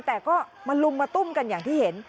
แต่ก็มาลุมมาตุ้มกันอย่างที่เห็น